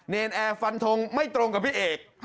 นแอร์ฟันทงไม่ตรงกับพี่เอก